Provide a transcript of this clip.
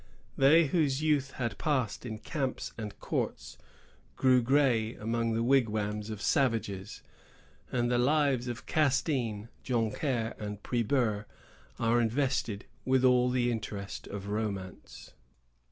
They whose youth had passed in camps and courts grew gray among the wigwams of savages; and the lives of Castine, Joncaire, and Priber are invested with all the interest of romance.